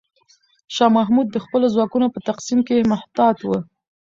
شاه محمود د خپلو ځواکونو په تقسیم کې محتاط و.